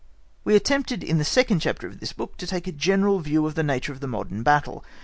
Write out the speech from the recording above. We attempted in the second chapter of this book to take a general view of the nature of the modern battle.